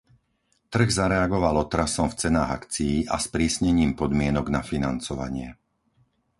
Trh zareagoval otrasom v cenách akcií a sprísnením podmienok na financovanie.